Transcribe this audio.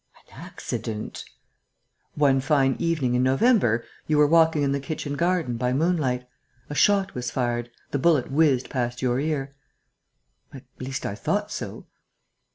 "An accident...." "One fine evening in November, you were walking in the kitchen garden, by moonlight. A shot was fired, The bullet whizzed past your ear." "At least, I thought so."